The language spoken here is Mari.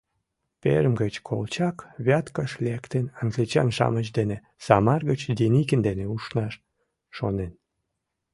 Пермь гыч Колчак, Вяткыш лектын, англичан-шамыч дене Самар гыч Деникин дене ушнаш шонен.